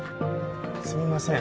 すみません。